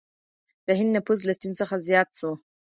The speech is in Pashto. د هند نفوس له چین څخه زیات شو.